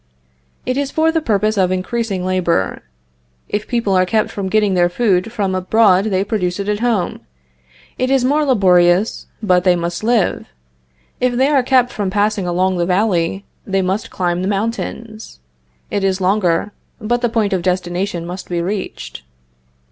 It is for the purpose of increasing labor. If people are kept from getting their food from abroad they produce it at home. It is more laborious, but they must live. If they are kept from passing along the valley, they must climb the mountains. It is longer, but the point of destination must be reached.